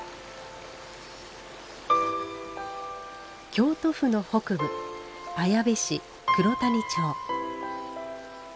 京都府の北部綾部市黒谷町。